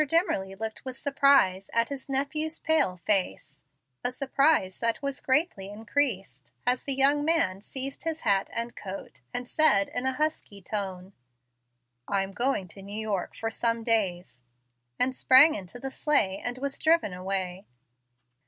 Dimmerly looked with surprise at his nephew's pale face, a surprise that was greatly increased as the young man seized his hat and coat, and said in a husky tone, "I am going to New York for some days," and sprang into the sleigh and was driven away.